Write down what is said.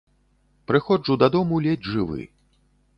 Прыходжу дадому ледзь жывы.